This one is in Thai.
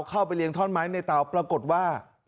เข้าไปเลี้ยท่อนไม้ในเตาปรากฏว่า